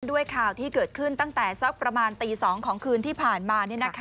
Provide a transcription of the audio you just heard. ด้วยข่าวที่เกิดขึ้นตั้งแต่สักประมาณตี๒ของคืนที่ผ่านมา